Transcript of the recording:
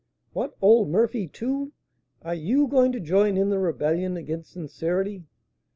"What! old Murphy, too? Are you going to join in the rebellion against sincerity?"